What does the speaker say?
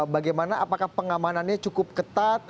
bagaimana apakah pengamanannya cukup ketat